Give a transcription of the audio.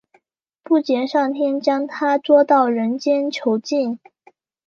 布杰上天将它捉到人间囚禁。